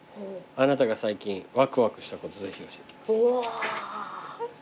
「あなたが最近ワクワクしたことをぜひ教えてください」